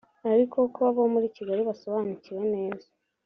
ariko ko abo muri Kigali abasobanukiwe neza